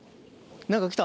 何かきた？